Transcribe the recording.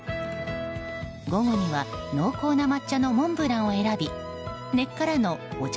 午後には濃厚な抹茶のモンブランを選び根っからのお茶